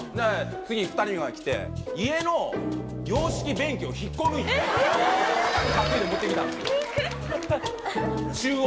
次２人目が来て家の洋式便器を引っこ抜いて担いで持って来たんですよ。